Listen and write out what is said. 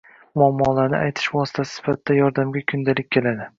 muammolarini aytish vositasi sifatida yordamga kundalik keladi.